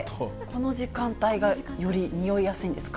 この時間帯がよりにおいやすいんですか？